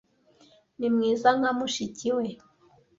Ni mwiza nka mushiki we.